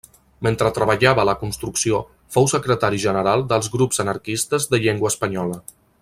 Mentre treballava a la construcció fou secretari general dels Grups Anarquistes de Llengua Espanyola.